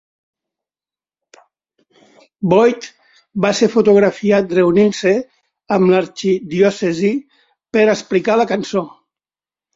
Boyd va ser fotografiat reunint-se amb l'arxidiòcesi per explicar la cançó.